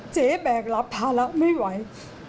เจ๊แบ่งรับภาระไม่ไหว